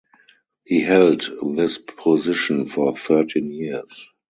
He held this position for thirteen years.